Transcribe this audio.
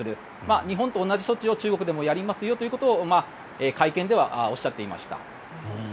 日本と同じ措置を中国でもやりますよということを会見ではおっしゃっていました。